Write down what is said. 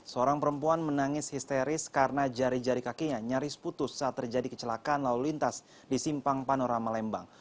seorang perempuan menangis histeris karena jari jari kakinya nyaris putus saat terjadi kecelakaan lalu lintas di simpang panorama lembang